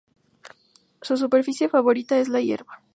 Su superficie favorita es la hierba.